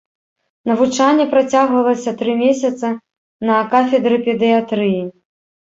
Навучанне працягвалася тры месяцы на кафедры педыятрыі.